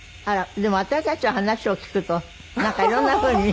でも私たちの話を聞くとなんかいろんな風に。